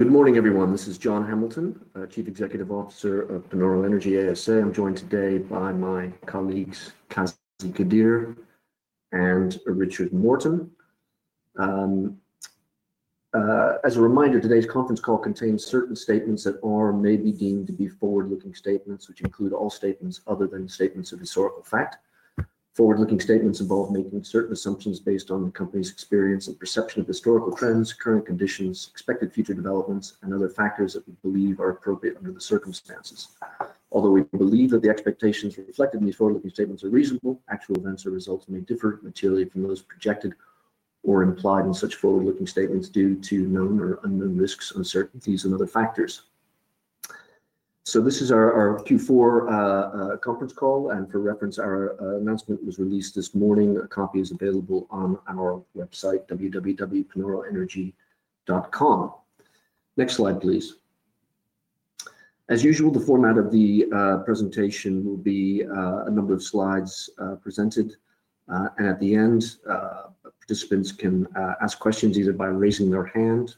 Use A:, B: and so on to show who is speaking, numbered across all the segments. A: Good morning, everyone. This is John Hamilton, Chief Executive Officer of Panoro Energy ASA. I'm joined today by my colleagues, Qazi Qadeer and Richard Morton. As a reminder, today's conference call contains certain statements that may be deemed to be forward-looking statements, which include all statements other than statements of historical fact. Forward-looking statements involve making certain assumptions based on the company's experience and perception of historical trends, current conditions, expected future developments, and other factors that we believe are appropriate under the circumstances. Although we believe that the expectations reflected in these forward-looking statements are reasonable, actual events or results may differ materially from those projected or implied in such forward-looking statements due to known or unknown risks, uncertainties, and other factors. This is our Q4 Conference Call. For reference, our announcement was released this morning. A copy is available on our website, www.panoroenergy.com. Next slide, please. As usual, the format of the presentation will be a number of slides presented. At the end, participants can ask questions either by raising their hand.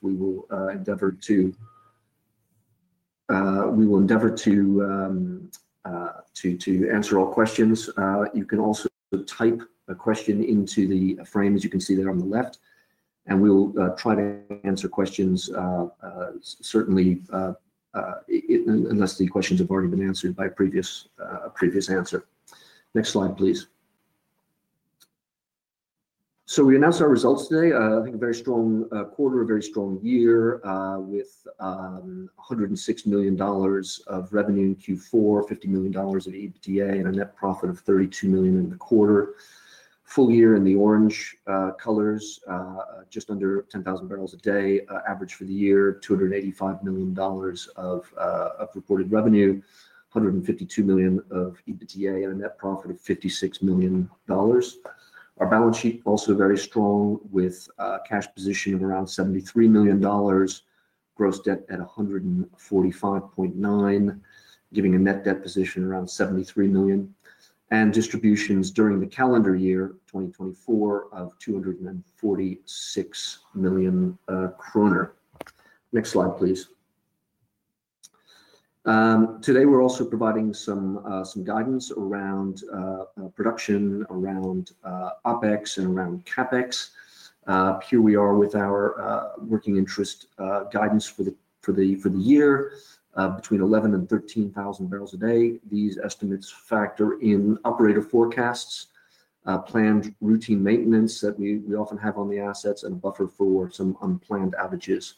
A: We will endeavor to answer all questions. You can also type a question into the frame, as you can see there on the left. We will try to answer questions, certainly, unless the questions have already been answered by a previous answer. Next slide, please. We announced our results today. I think a very strong quarter, a very strong year, with $106 million of revenue in Q4, $50 million of EBITDA, and a net profit of $32 million in the quarter. Full year in the orange colors, just under 10,000 barrels a day average for the year, $285 million of reported revenue, $152 million of EBITDA, and a net profit of $56 million. Our balance sheet is also very strong, with a cash position of around $73 million, gross debt at $145.9 million, giving a net debt position around $73 million, and distributions during the calendar year 2024 of 246 million kroner. Next slide, please. Today, we're also providing some guidance around production, around OPEX, and around CAPEX. Here we are with our working interest guidance for the year, between 11,000 and 13,000 barrels a day. These estimates factor in operator forecasts, planned routine maintenance that we often have on the assets, and a buffer for some unplanned outages.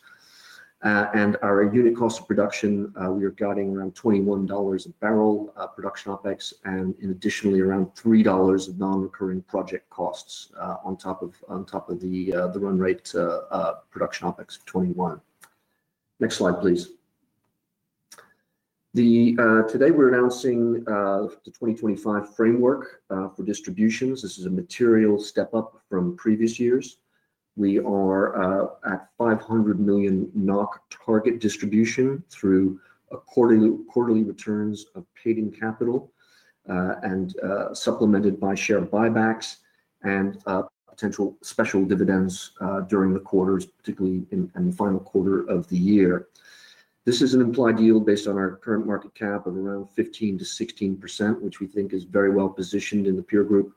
A: Our unit cost of production, we are guiding around $21 a barrel production OPEX, and additionally around $3 of non-recurring project costs on top of the run rate production OPEX of $21. Next slide, please. Today, we're announcing the 2025 framework for distributions. This is a material step up from previous years. We are at 500 million NOK target distribution through quarterly returns of paid-in capital and supplemented by share buybacks and potential special dividends during the quarters, particularly in the final quarter of the year. This is an implied yield based on our current market cap of around 15%-16%, which we think is very well positioned in the peer group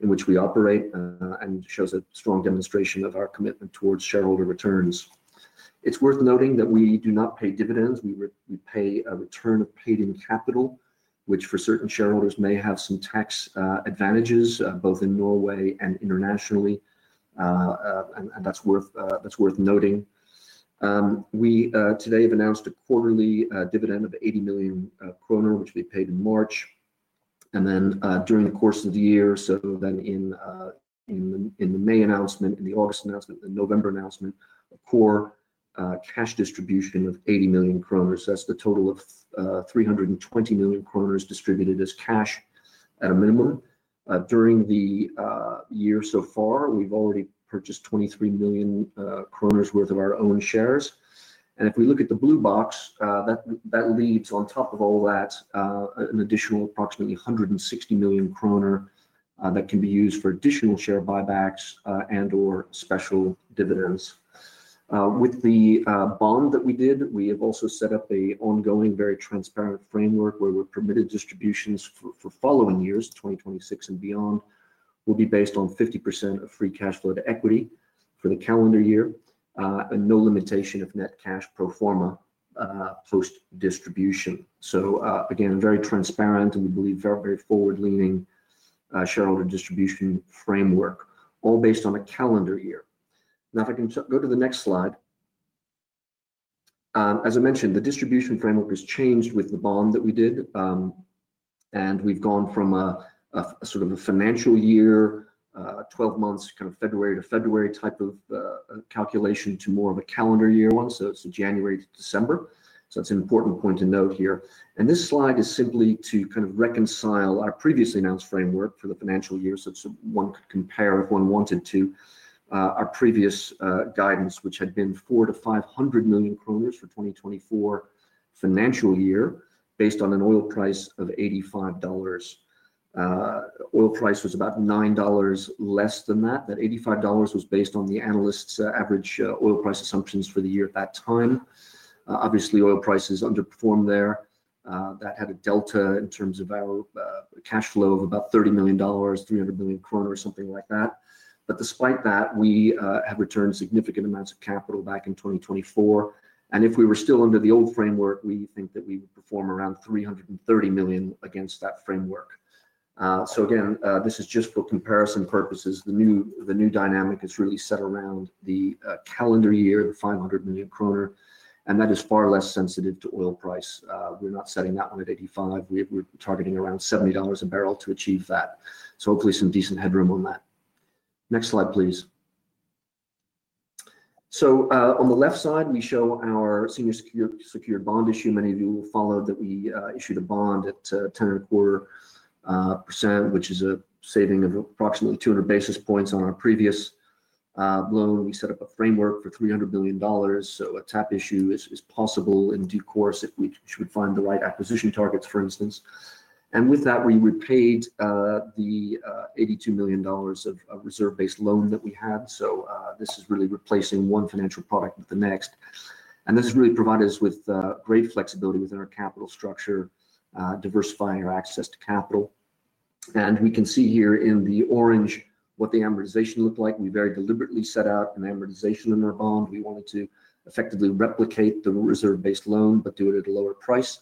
A: in which we operate and shows a strong demonstration of our commitment towards shareholder returns. It's worth noting that we do not pay dividends. We pay a return of paid-in capital, which for certain shareholders may have some tax advantages, both in Norway and internationally. That's worth noting. We today have announced a quarterly dividend of 80 million kroner, which we paid in March. During the course of the year, in the May announcement, in the August announcement, and the November announcement, a core cash distribution of 80 million kroner. That is a total of 320 million kroner distributed as cash at a minimum. During the year so far, we have already purchased 23 million kroner worth of our own shares. If we look at the blue box, that leaves on top of all that an additional approximately 160 million kroner that can be used for additional share buybacks and/or special dividends. With the bond that we did, we have also set up an ongoing, very transparent framework where we are permitted distributions for following years, 2026 and beyond, will be based on 50% of free cash flow to equity for the calendar year and no limitation of net cash pro forma post-distribution. Again, very transparent and we believe very forward-leaning shareholder distribution framework, all based on a calendar year. If I can go to the next slide. As I mentioned, the distribution framework has changed with the bond that we did. We have gone from a sort of a financial year, 12 months, kind of February to February type of calculation to more of a calendar year one, so January to December. That is an important point to note here. This slide is simply to kind of reconcile our previously announced framework for the financial year so one could compare, if one wanted to, our previous guidance, which had been 400 million-500 million kroner for 2024 financial year based on an oil price of $85. Oil price was about $9 less than that. That $85 was based on the analysts' average oil price assumptions for the year at that time. Obviously, oil prices underperformed there. That had a delta in terms of our cash flow of about $30 million, 300 million kroner, something like that. Despite that, we have returned significant amounts of capital back in 2024. If we were still under the old framework, we think that we would perform around 330 million against that framework. This is just for comparison purposes. The new dynamic is really set around the calendar year, the 500 million kroner. That is far less sensitive to oil price. We're not setting that one at $85. We're targeting around $70 a barrel to achieve that. Hopefully some decent headroom on that. Next slide, please. On the left side, we show our senior secured bond issue. Many of you will follow that we issued a bond at 10.25%, which is a saving of approximately 200 basis points on our previous loan. We set up a framework for $300 million. A tap issue is possible in due course if we should find the right acquisition targets, for instance. With that, we repaid the $82 million of reserve-based loan that we had. This is really replacing one financial product with the next. This has really provided us with great flexibility within our capital structure, diversifying our access to capital. We can see here in the orange what the amortization looked like. We very deliberately set out an amortization in our bond. We wanted to effectively replicate the reserve-based loan, but do it at a lower price.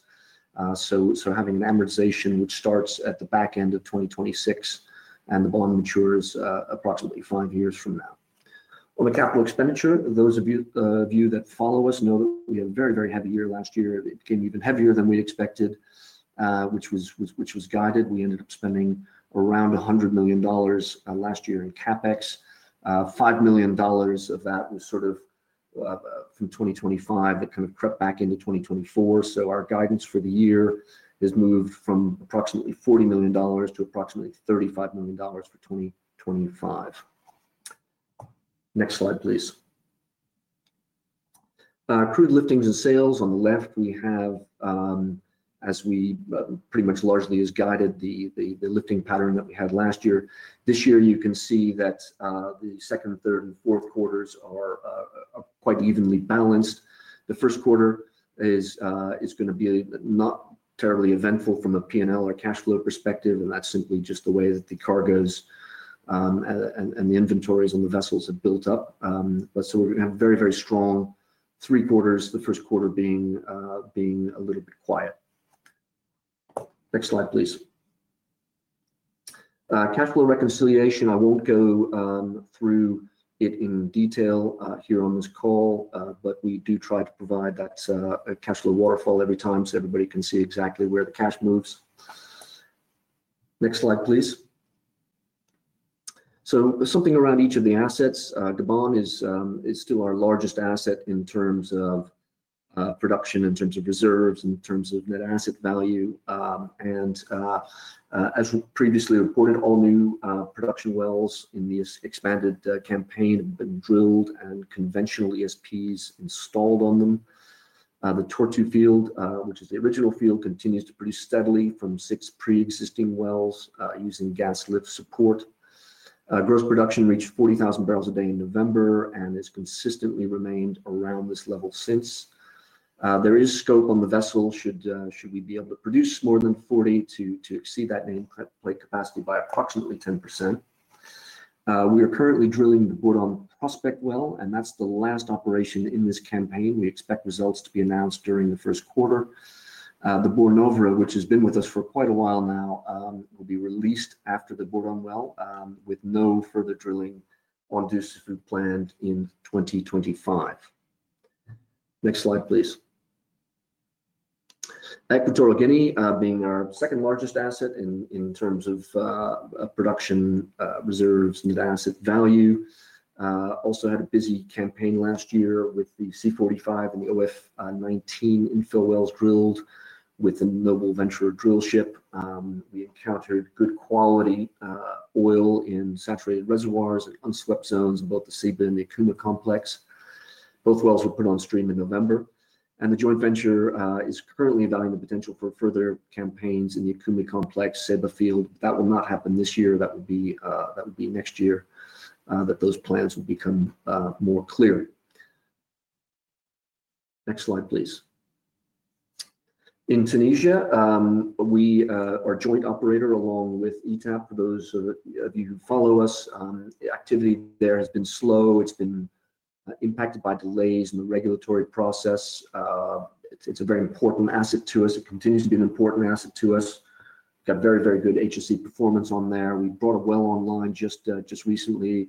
A: Having an amortization, which starts at the back end of 2026 and the bond matures approximately five years from now. On the capital expenditure, those of you that follow us know that we had a very, very heavy year last year. It became even heavier than we expected, which was guided. We ended up spending around $100 million last year in CAPEX. $5 million of that was sort of from 2025 that kind of crept back into 2024. Our guidance for the year has moved from approximately $40 million to approximately $35 million for 2025. Next slide, please. Crude liftings and sales on the left, we have, as we pretty much largely as guided, the lifting pattern that we had last year. This year, you can see that the second, third, and fourth quarters are quite evenly balanced. The first quarter is going to be not terribly eventful from a P&L or cash flow perspective. That is simply just the way that the cargoes and the inventories on the vessels have built up. We are going to have very, very strong three quarters, the first quarter being a little bit quiet. Next slide, please. Cash flow reconciliation, I will not go through it in detail here on this call, but we do try to provide that cash flow waterfall every time so everybody can see exactly where the cash moves. Next slide, please. Something around each of the assets. Gabon is still our largest asset in terms of production, in terms of reserves, in terms of net asset value. As previously reported, all new production wells in the expanded campaign have been drilled and conventional ESPs installed on them. The Tortue field, which is the original field, continues to produce steadily from six pre-existing wells using gas lift support. Gross production reached 40,000 barrels a day in November and has consistently remained around this level since. There is scope on the vessel should we be able to produce more than 40,000 to exceed that nameplate capacity by approximately 10%. We are currently drilling the Bourdon prospect well, and that's the last operation in this campaign. We expect results to be announced during the first quarter. The Bornovera, which has been with us for quite a while now, will be released after the Bourdon well with no further drilling on duty planned in 2025. Next slide, please. Equatorial Guinea, being our second largest asset in terms of production, reserves, and asset value, also had a busy campaign last year with the C45 and the OF19 infill wells drilled with the Noble Venturer drill ship. We encountered good quality oil in saturated reservoirs and unswept zones in both the Ceiba and the Okuma complex. Both wells were put on stream in November. The joint venture is currently evaluating the potential for further campaigns in the Okume complex and Ceiba field. That will not happen this year. That will be next year that those plans will become more clear. Next slide, please. In Tunisia, we are a joint operator along with ETAP. For those of you who follow us, the activity there has been slow. It has been impacted by delays in the regulatory process. It is a very important asset to us. It continues to be an important asset to us. We've got very, very good HSE performance on there. We brought a well online just recently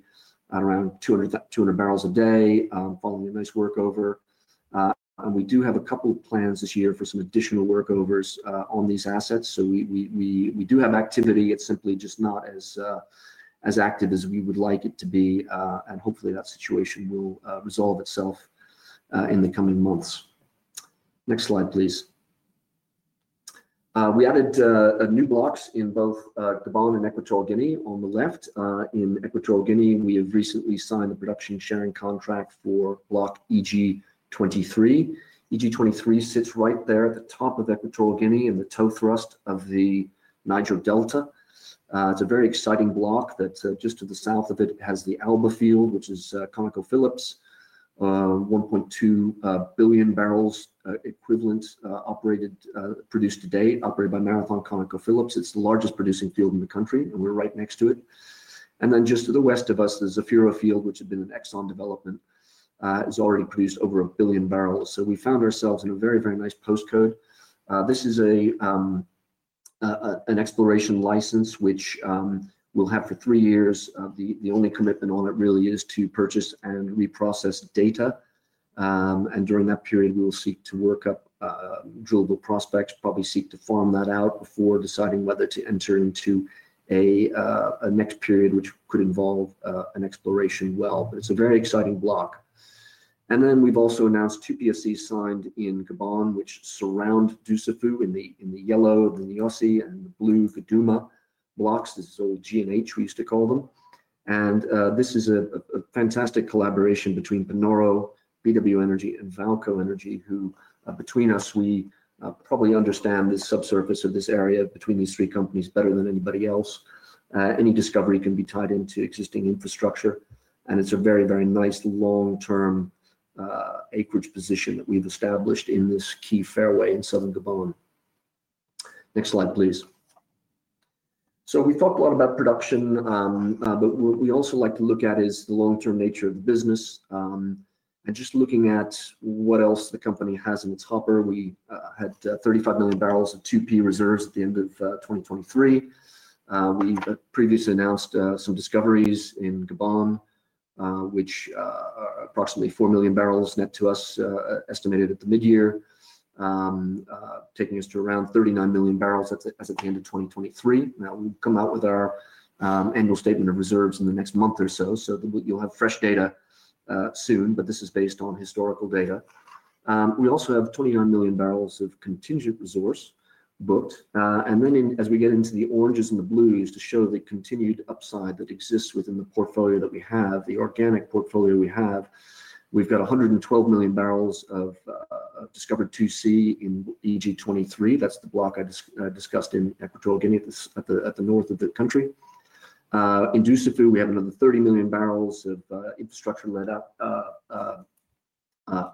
A: at around 200 barrels a day, following a nice workover. We do have a couple of plans this year for some additional workovers on these assets. We do have activity. It's simply just not as active as we would like it to be. Hopefully that situation will resolve itself in the coming months. Next slide, please. We added new blocks in both Gabon and Equatorial Guinea. On the left, in Equatorial Guinea, we have recently signed a production sharing contract for block EG-23. EG-23 sits right there at the top of Equatorial Guinea in the toe thrust of the Niger Delta. It's a very exciting block that just to the south of it has the Alba field, which is ConocoPhillips, 1.2 billion barrels equivalent produced to date, operated by Marathon and ConocoPhillips. It's the largest producing field in the country, and we're right next to it. Just to the west of us, the Zafiro field, which had been an ExxonMobil development, has already produced over a billion barrels. We found ourselves in a very, very nice postcode. This is an exploration license, which we'll have for three years. The only commitment on it really is to purchase and reprocess data. During that period, we will seek to work up drillable prospects, probably seek to farm that out before deciding whether to enter into a next period, which could involve an exploration well. It's a very exciting block. We've also announced two PSCs signed in Gabon, which surround Dussufu in the yellow, the Nyosi, and the blue Guduma blocks. This is all G&H we used to call them. This is a fantastic collaboration between Panoro, BW Energy, and VAALCO Energy, who between us, we probably understand the subsurface of this area between these three companies better than anybody else. Any discovery can be tied into existing infrastructure. It is a very, very nice long-term acreage position that we've established in this key fairway in southern Gabon. Next slide, please. We've talked a lot about production, but what we also like to look at is the long-term nature of the business. Just looking at what else the company has in its hopper, we had 35 million barrels of 2P reserves at the end of 2023. We previously announced some discoveries in Gabon, which are approximately 4 million barrels net to us estimated at the mid-year, taking us to around 39 million barrels as at the end of 2023. We will come out with our annual statement of reserves in the next month or so. You will have fresh data soon, but this is based on historical data. We also have 29 million barrels of contingent resource booked. As we get into the oranges and the blues to show the continued upside that exists within the portfolio that we have, the organic portfolio we have, we have 112 million barrels of discovered 2C in EG-23. That is the block I discussed in Equatorial Guinea at the north of the country. In Dussufu, we have another 30 million barrels of infrastructure-led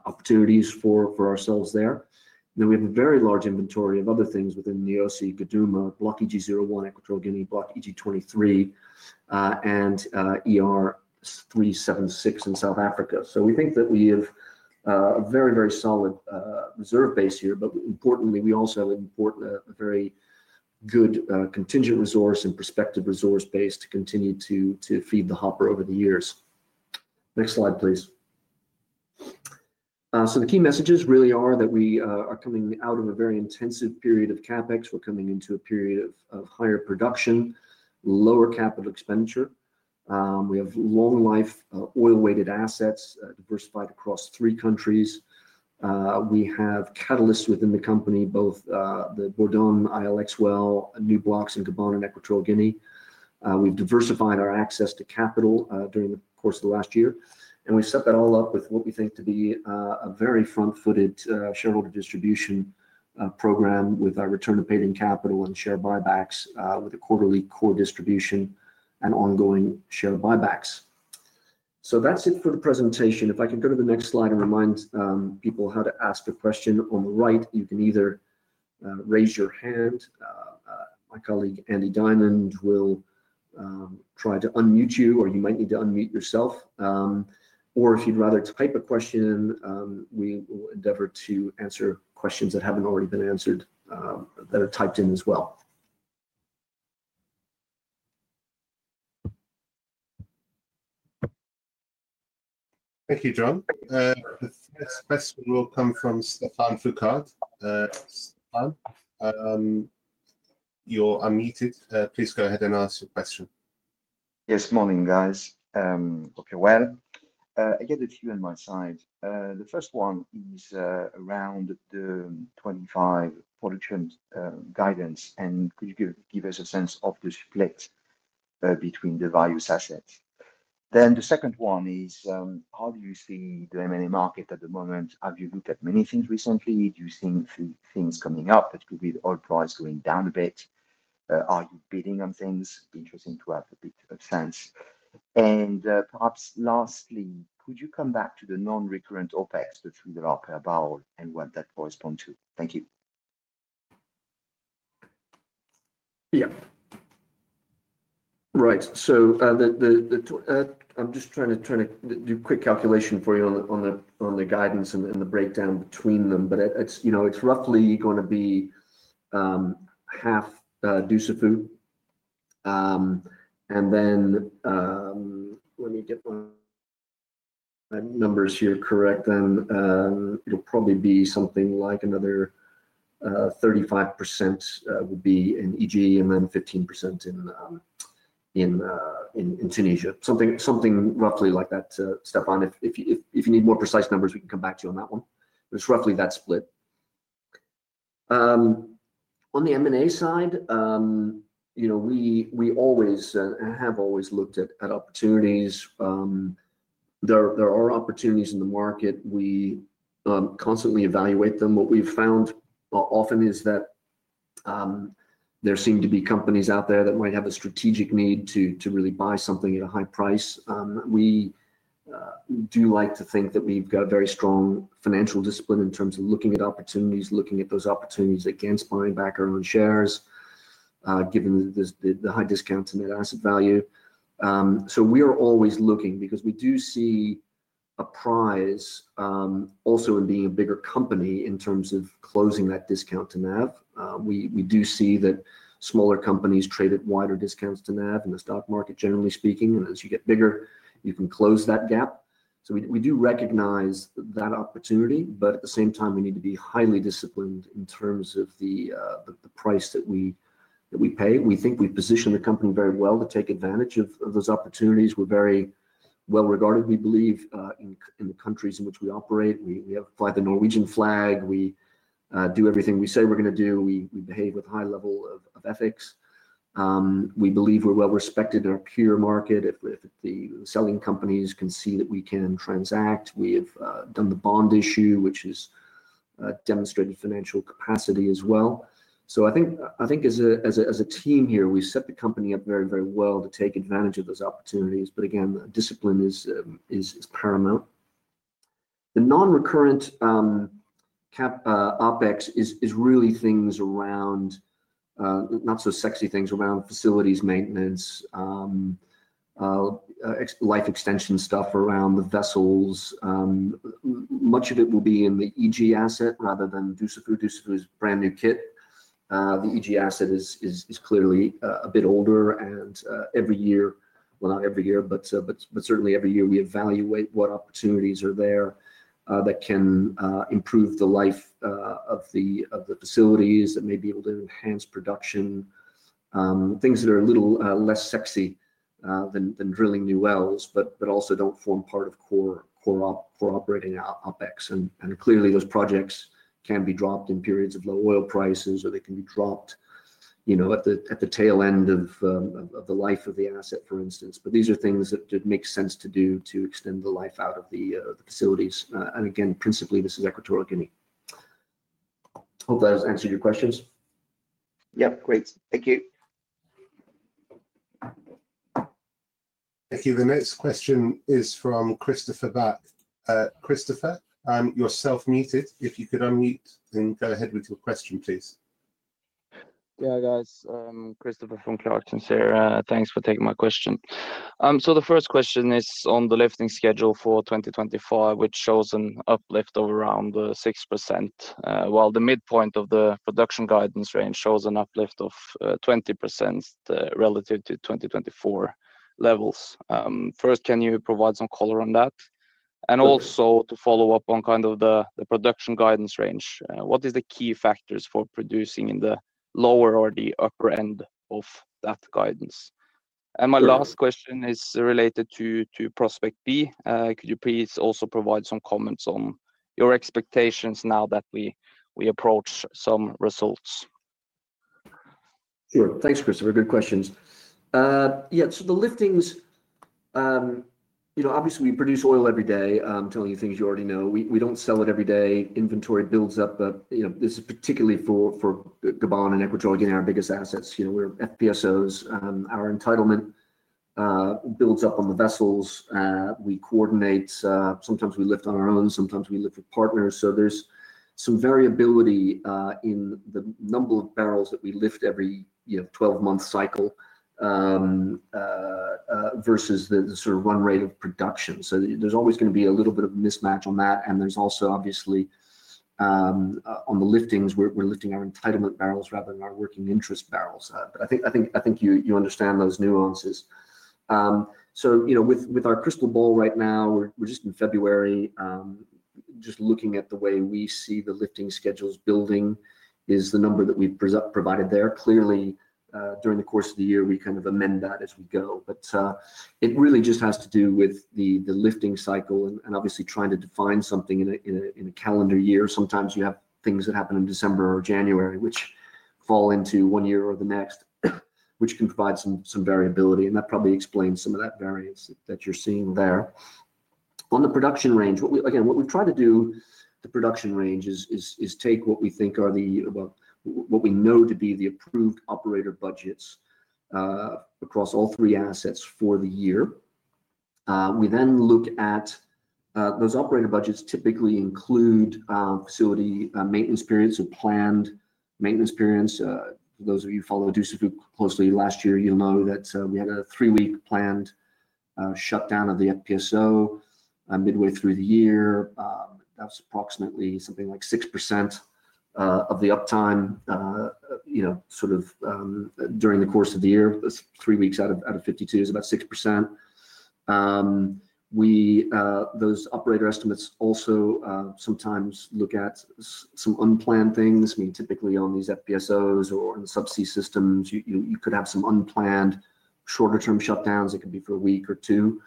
A: opportunities for ourselves there. We have a very large inventory of other things within Nyosi, Guduma, block EG-01, Equatorial Guinea, block EG-23, and ER-376 in South Africa. We think that we have a very, very solid reserve base here. Importantly, we also have an important, a very good contingent resource and prospective resource base to continue to feed the hopper over the years. Next slide, please. The key messages really are that we are coming out of a very intensive period of CAPEX. We're coming into a period of higher production, lower capital expenditure. We have long-life oil-weighted assets diversified across three countries. We have catalysts within the company, both the Bourdon ILX well, new blocks in Gabon and Equatorial Guinea. We've diversified our access to capital during the course of the last year. We set that all up with what we think to be a very front-footed shareholder distribution program with our return of paid-in capital and share buybacks with a quarterly core distribution and ongoing share buybacks. That is it for the presentation. If I can go to the next slide and remind people how to ask a question on the right, you can either raise your hand. My colleague, Andy Diamond, will try to unmute you, or you might need to unmute yourself. If you would rather type a question, we will endeavor to answer questions that have not already been answered that are typed in as well.
B: Thank you, John. The next question will come from Stéphane Foucaud. Stéphane, you are unmuted. Please go ahead and ask your question.
C: Yes. Morning, guys. Hope you're well. I get a few on my side. The first one is around the 25% guidance. Could you give us a sense of the split between the various assets? The second one is, how do you see the M&A market at the moment? Have you looked at many things recently? Do you think things coming up that could be the oil price going down a bit? Are you bidding on things? Interesting to have a bit of sense. Perhaps lastly, could you come back to the non-recurrent OPEX, the $3 per barrel, and what that corresponds to? Thank you.
A: Yeah. Right. I am just trying to do a quick calculation for you on the guidance and the breakdown between them. It is roughly going to be half Dussufu. Let me get my numbers here correct then. It will probably be something like another 35% would be in EG and then 15% in Tunisia. Something roughly like that, Stéphane. If you need more precise numbers, we can come back to you on that one. It is roughly that split. On the M&A side, we have always looked at opportunities. There are opportunities in the market. We constantly evaluate them. What we have found often is that there seem to be companies out there that might have a strategic need to really buy something at a high price. We do like to think that we've got a very strong financial discipline in terms of looking at opportunities, looking at those opportunities against buying back our own shares, given the high discounts and net asset value. We are always looking because we do see a prize also in being a bigger company in terms of closing that discount to NAV. We do see that smaller companies trade at wider discounts to NAV in the stock market, generally speaking. As you get bigger, you can close that gap. We do recognize that opportunity. At the same time, we need to be highly disciplined in terms of the price that we pay. We think we position the company very well to take advantage of those opportunities. We're very well regarded, we believe, in the countries in which we operate. We have flagged the Norwegian flag. We do everything we say we're going to do. We behave with a high level of ethics. We believe we're well respected in our peer market. If the selling companies can see that we can transact, we have done the bond issue, which has demonstrated financial capacity as well. I think as a team here, we set the company up very, very well to take advantage of those opportunities. Discipline is paramount. The non-recurrent OPEX is really things around not so sexy things around facilities maintenance, life extension stuff around the vessels. Much of it will be in the EG asset rather than Dussufu. Dussufu is a brand new kit. The EG asset is clearly a bit older. Every year, well, not every year, but certainly every year, we evaluate what opportunities are there that can improve the life of the facilities that may be able to enhance production. Things that are a little less sexy than drilling new wells, but also do not form part of core operating OPEX. Clearly, those projects can be dropped in periods of low oil prices, or they can be dropped at the tail end of the life of the asset, for instance. These are things that make sense to do to extend the life out of the facilities. Again, principally, this is Equatorial Guinea. Hope that has answered your questions.
C: Yep. Great. Thank you.
B: Thank you. The next question is from Christoffer Bachke. Christoffer, you're self-muted. If you could unmute and go ahead with your question, please.
D: Yeah, guys. Christofferr from Clarksons here. Thanks for taking my question. The first question is on the lifting schedule for 2025, which shows an uplift of around 6%, while the midpoint of the production guidance range shows an uplift of 20% relative to 2024 levels. First, can you provide some color on that? Also, to follow up on kind of the production guidance range, what are the key factors for producing in the lower or the upper end of that guidance? My last question is related to prospect B. Could you please also provide some comments on your expectations now that we approach some results?
A: Sure. Thanks, Christofferr. Good questions. Yeah. The liftings, obviously, we produce oil every day, telling you things you already know. We do not sell it every day. Inventory builds up. This is particularly for Gabon and Equatorial Guinea, our biggest assets. We are FPSOs. Our entitlement builds up on the vessels. We coordinate. Sometimes we lift on our own. Sometimes we lift with partners. There is some variability in the number of barrels that we lift every 12-month cycle versus the sort of run rate of production. There is always going to be a little bit of mismatch on that. There is also, obviously, on the liftings, we are lifting our entitlement barrels rather than our working interest barrels. I think you understand those nuances. With our crystal ball right now, we are just in February. Just looking at the way we see the lifting schedules building is the number that we've provided there. Clearly, during the course of the year, we kind of amend that as we go. It really just has to do with the lifting cycle and obviously trying to define something in a calendar year. Sometimes you have things that happen in December or January, which fall into one year or the next, which can provide some variability. That probably explains some of that variance that you're seeing there. On the production range, again, what we've tried to do, the production range is take what we think are what we know to be the approved operator budgets across all three assets for the year. We then look at those operator budgets typically include facility maintenance periods or planned maintenance periods. For those of you who follow Dussufu closely last year, you'll know that we had a three-week planned shutdown of the FPSO midway through the year. That's approximately something like 6% of the uptime sort of during the course of the year. That's three weeks out of 52 is about 6%. Those operator estimates also sometimes look at some unplanned things. I mean, typically on these FPSOs or in subsea systems, you could have some unplanned shorter-term shutdowns. It could be for a week or two.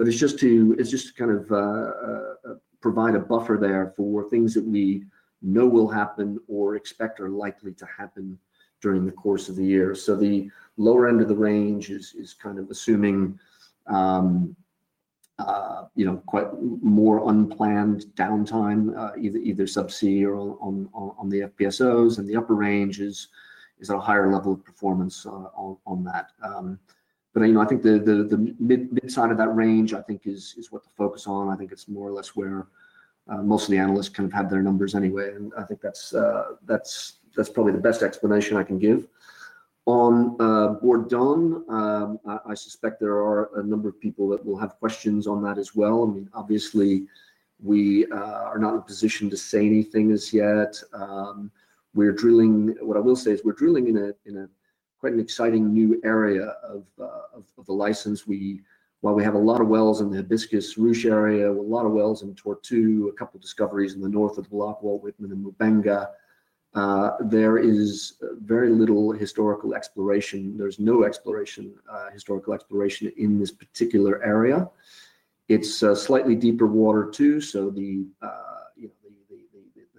A: It's just to kind of provide a buffer there for things that we know will happen or expect or likely to happen during the course of the year. The lower end of the range is kind of assuming quite more unplanned downtime, either subsea or on the FPSOs. The upper range is at a higher level of performance on that. I think the mid-side of that range, I think, is what to focus on. I think it's more or less where most of the analysts kind of have their numbers anyway. I think that's probably the best explanation I can give. On Bourdon, I suspect there are a number of people that will have questions on that as well. I mean, obviously, we are not in a position to say anything as yet. What I will say is we're drilling in quite an exciting new area of the license. While we have a lot of wells in the Hibiscus-Ruche area, a lot of wells in Tortue, a couple of discoveries in the north of the Lock Walwyn and Mubenga, there is very little historical exploration. There's no historical exploration in this particular area. It's slightly deeper water, too. The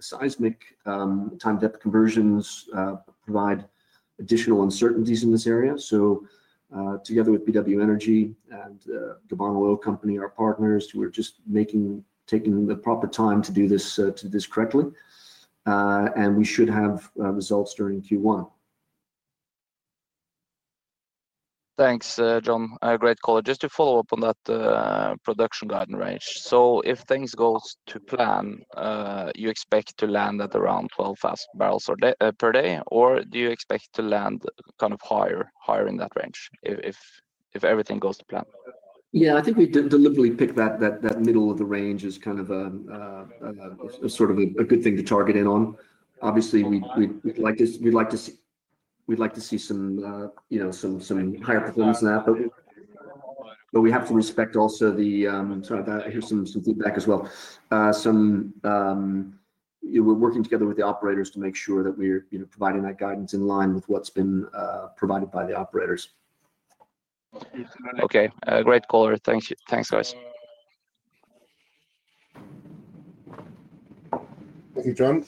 A: seismic time depth conversions provide additional uncertainties in this area. Together with BW Energy and Gabon Oil Company, our partners, we're just taking the proper time to do this correctly. We should have results during Q1.
D: Thanks, John. Great call. Just to follow up on that production guidance range. If things go to plan, you expect to land at around 12,000 barrels per day, or do you expect to land kind of higher in that range if everything goes to plan?
A: Yeah. I think we deliberately picked that middle of the range as kind of a sort of a good thing to target in on. Obviously, we'd like to see some higher performance than that. We have to respect also the—sorry, here's some feedback as well. We're working together with the operators to make sure that we're providing that guidance in line with what's been provided by the operators.
D: Okay. Great caller. Thanks, guys.
B: Thank you, John.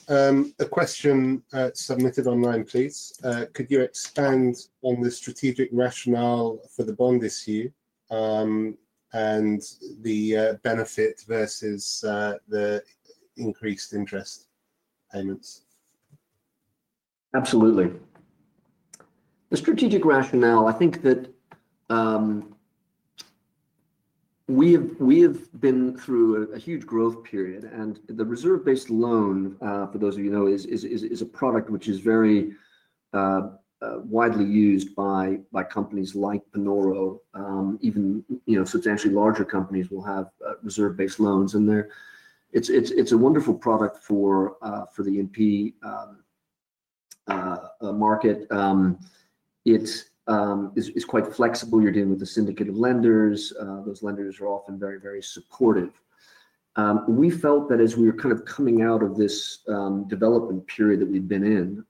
B: A question submitted online, please. Could you expand on the strategic rationale for the bond issue and the benefit versus the increased interest payments?
A: Absolutely. The strategic rationale, I think that we have been through a huge growth period. The reserve-based loan, for those of you who know, is a product which is very widely used by companies like Panoro. Even substantially larger companies will have reserve-based loans. It is a wonderful product for the E&P market. It is quite flexible. You are dealing with a syndicate of lenders. Those lenders are often very, very supportive. We felt that as we were kind of coming out of this development period that we had been in,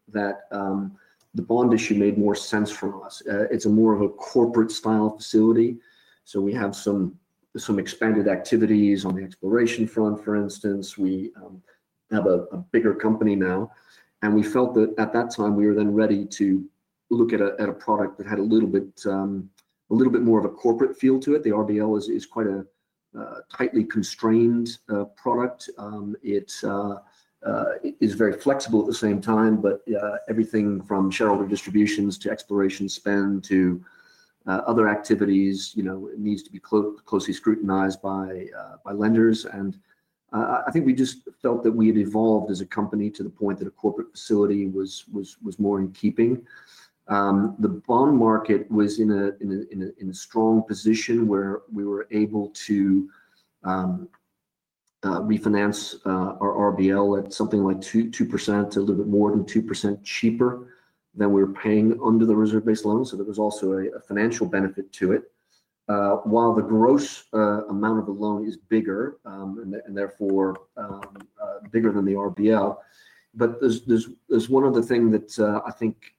A: the bond issue made more sense for us. It is more of a corporate-style facility. We have some expanded activities on the exploration front, for instance. We have a bigger company now. We felt that at that time, we were then ready to look at a product that had a little bit more of a corporate feel to it. The RBL is quite a tightly constrained product. It is very flexible at the same time. Everything from shareholder distributions to exploration spend to other activities needs to be closely scrutinized by lenders. I think we just felt that we had evolved as a company to the point that a corporate facility was more in keeping. The bond market was in a strong position where we were able to refinance our RBL at something like 2%, a little bit more than 2% cheaper than we were paying under the reserve-based loan. There was also a financial benefit to it, while the gross amount of the loan is bigger and therefore bigger than the RBL. There is one other thing that I think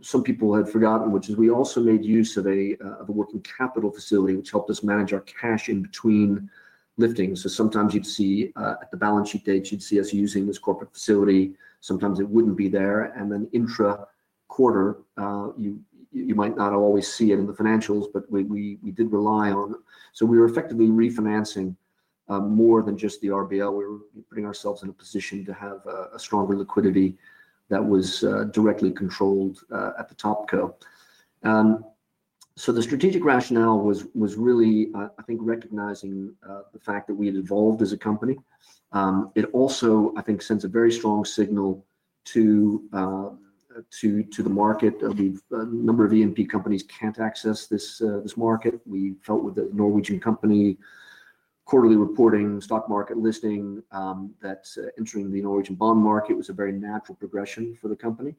A: some people had forgotten, which is we also made use of a working capital facility, which helped us manage our cash in between lifting. Sometimes you'd see at the balance sheet date, you'd see us using this corporate facility. Sometimes it wouldn't be there. Intra-quarter, you might not always see it in the financials, but we did rely on it. We were effectively refinancing more than just the RBL. We were putting ourselves in a position to have a stronger liquidity that was directly controlled at the top co. The strategic rationale was really, I think, recognizing the fact that we had evolved as a company. It also, I think, sends a very strong signal to the market. A number of E&P companies can't access this market. We felt with the Norwegian company quarterly reporting, stock market listing, that entering the Norwegian bond market was a very natural progression for the company.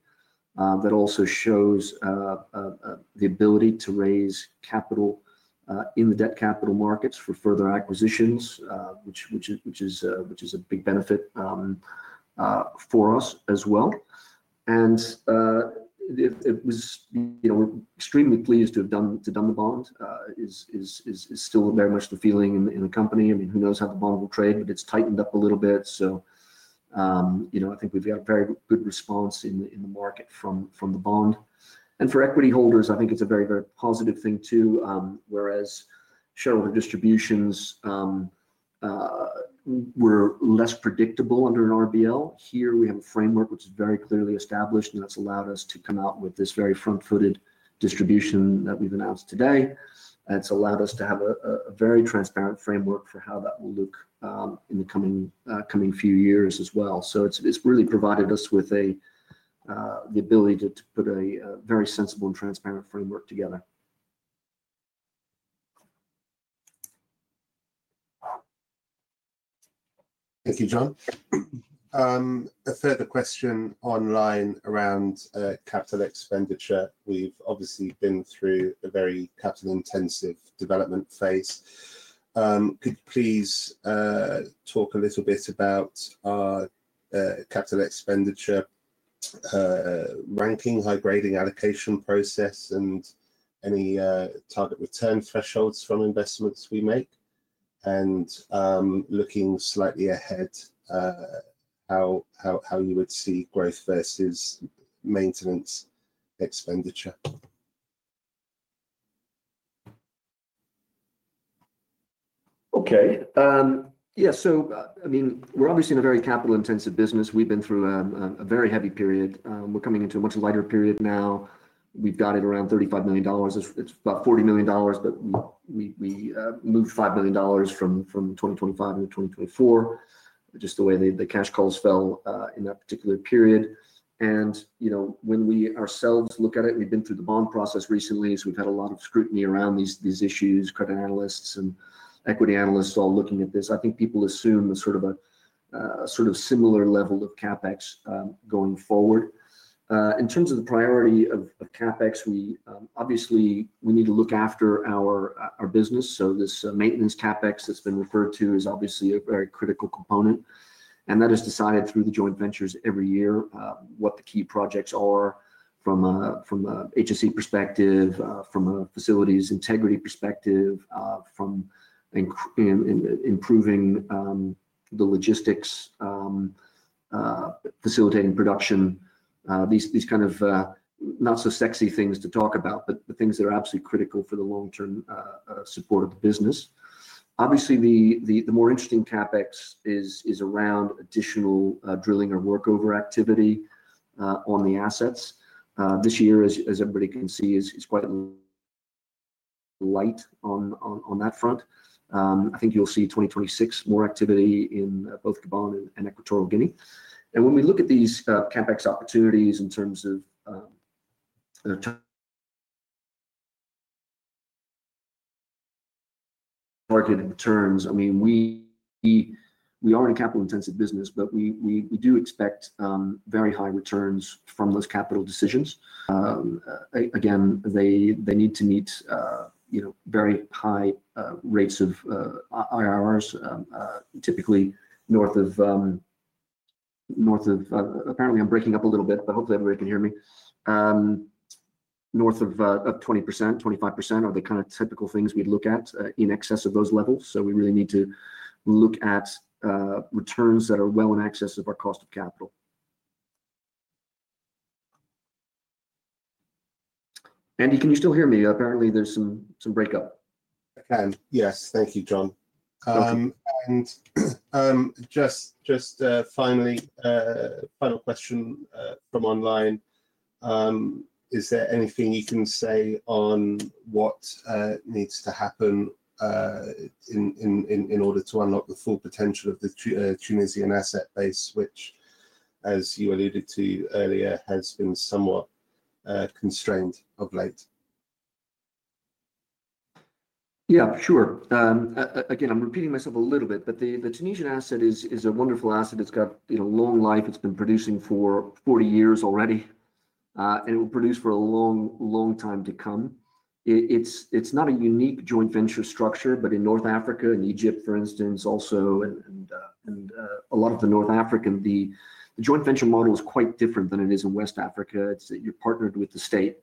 A: That also shows the ability to raise capital in the debt capital markets for further acquisitions, which is a big benefit for us as well. We're extremely pleased to have done the bond. It's still very much the feeling in the company. I mean, who knows how the bond will trade, but it's tightened up a little bit. I think we've got a very good response in the market from the bond. For equity holders, I think it's a very, very positive thing too. Whereas shareholder distributions were less predictable under an RBL, here we have a framework which is very clearly established, and that's allowed us to come out with this very front-footed distribution that we've announced today. It's allowed us to have a very transparent framework for how that will look in the coming few years as well. It really provided us with the ability to put a very sensible and transparent framework together.
B: Thank you, John. A further question online around capital expenditure. We've obviously been through a very capital-intensive development phase. Could you please talk a little bit about our capital expenditure ranking, high-grading allocation process, and any target return thresholds from investments we make? Looking slightly ahead, how you would see growth versus maintenance expenditure?
A: Okay. Yeah. I mean, we're obviously in a very capital-intensive business. We've been through a very heavy period. We're coming into a much lighter period now. We've dotted around $35 million. It's about $40 million, but we moved $5 million from 2025 into 2024, just the way the cash calls fell in that particular period. When we ourselves look at it, we've been through the bond process recently. We've had a lot of scrutiny around these issues, credit analysts and equity analysts all looking at this. I think people assume sort of a similar level of CapEx going forward. In terms of the priority of CapEx, obviously, we need to look after our business. This maintenance CapEx that's been referred to is obviously a very critical component. That is decided through the joint ventures every year, what the key projects are from an HSE perspective, from a facilities integrity perspective, from improving the logistics, facilitating production. These kind of not-so-sexy things to talk about, but the things that are absolutely critical for the long-term support of the business. Obviously, the more interesting CapEx is around additional drilling or workover activity on the assets. This year, as everybody can see, is quite light on that front. I think you'll see 2026 more activity in both Gabon and Equatorial Guinea. When we look at these CapEx opportunities in terms of targeted returns, I mean, we are in a capital-intensive business, but we do expect very high returns from those capital decisions. Again, they need to meet very high rates of IRRs, typically north of—apparently, I'm breaking up a little bit, but hopefully, everybody can hear me—north of 20%-25% are the kind of typical things we'd look at in excess of those levels. We really need to look at returns that are well in excess of our cost of capital. Andy, can you still hear me? Apparently, there's some breakup.
B: I can. Yes. Thank you, John. Just finally, final question from online. Is there anything you can say on what needs to happen in order to unlock the full potential of the Tunisian asset base, which, as you alluded to earlier, has been somewhat constrained of late?
A: Yeah, sure. Again, I'm repeating myself a little bit, but the Tunisian asset is a wonderful asset. It's got a long life. It's been producing for 40 years already. It will produce for a long, long time to come. It's not a unique joint venture structure, but in North Africa and Egypt, for instance, also a lot of the North African joint venture model is quite different than it is in West Africa. It's that you're partnered with the state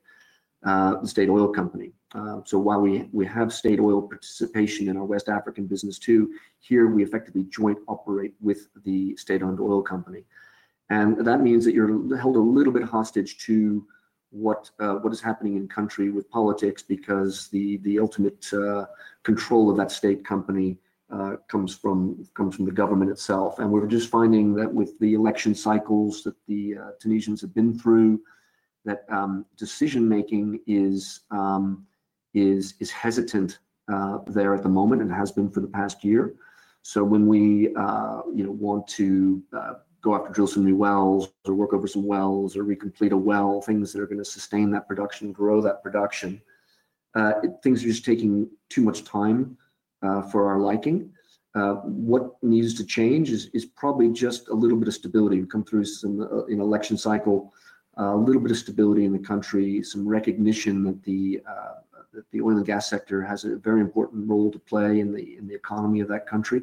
A: oil company. While we have state oil participation in our West African business too, here we effectively joint operate with the state-owned oil company. That means that you're held a little bit hostage to what is happening in country with politics because the ultimate control of that state company comes from the government itself. We are just finding that with the election cycles that the Tunisians have been through, that decision-making is hesitant there at the moment and has been for the past year. When we want to go out to drill some new wells or work over some wells or recomplete a well, things that are going to sustain that production, grow that production, things are just taking too much time for our liking. What needs to change is probably just a little bit of stability. We have come through an election cycle, a little bit of stability in the country, some recognition that the oil and gas sector has a very important role to play in the economy of that country.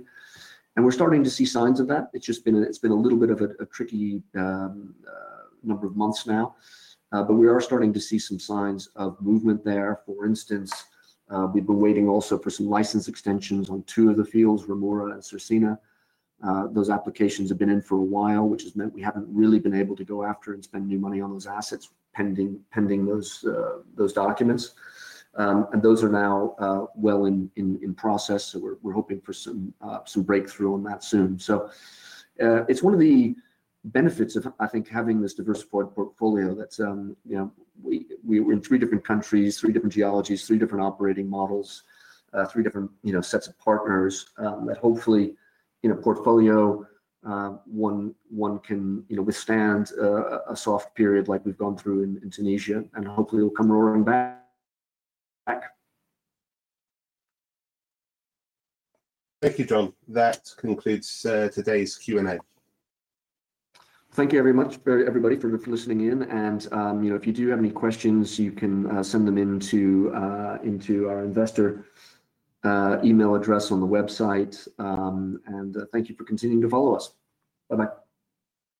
A: We are starting to see signs of that. It has been a little bit of a tricky number of months now. We are starting to see some signs of movement there. For instance, we've been waiting also for some license extensions on two of the fields, Rhemoura and Cercina. Those applications have been in for a while, which has meant we haven't really been able to go after and spend new money on those assets pending those documents. Those are now well in process. We're hoping for some breakthrough on that soon. It is one of the benefits of, I think, having this diversified portfolio that we are in three different countries, three different geologies, three different operating models, three different sets of partners that hopefully portfolio one can withstand a soft period like we've gone through in Tunisia. Hopefully, it'll come rolling back.
B: Thank you, John. That concludes today's Q&A.
A: Thank you very much, everybody, for listening in. If you do have any questions, you can send them into our investor email address on the website. Thank you for continuing to follow us. Bye-bye.